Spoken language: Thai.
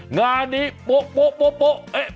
งานนี้ปวะ